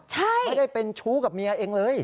ไม่ได้เป็นชู้กับเมียเองเลย